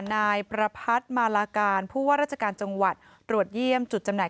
นายประพัทธ์มาลาการผู้ว่าราชการจังหวัดตรวจเยี่ยมจุดจำหน่าย